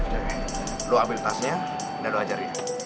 cek lo ambil tasnya dan lo ajar dia